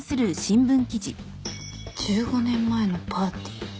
１５年前のパーティー。